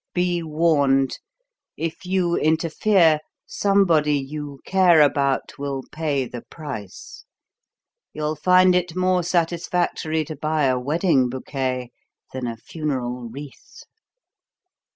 Be warned. If you interfere, somebody you care about will pay the price. You'll find it more satisfactory to buy a wedding bouquet than a funeral wreath!"